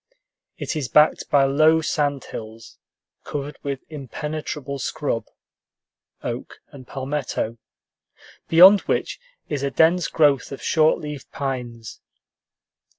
It is backed by low sand hills covered with impenetrable scrub, oak and palmetto, beyond which is a dense growth of short leaved pines.